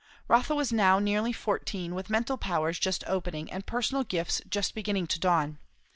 Rotha was now nearly fourteen, with mental powers just opening and personal gifts just beginning to dawn.